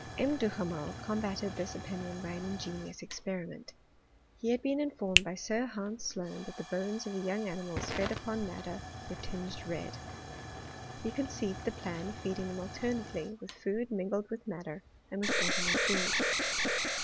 M. Duhamel combated this opinion by an ingenious experiment. He had been informed by Sir Hans Sloane that the bones of young animals fed upon madder were tinged red. He con ceived the plan of feeding them alternately with food mingled with madder, and with ordinary food.